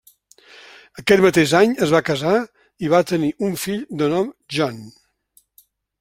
Aquest mateix any es va cassar i va tenir un fill de nom John.